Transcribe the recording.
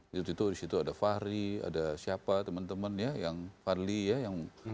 waktu itu di situ ada fahri ada siapa temen temen ya yang fahri ya yang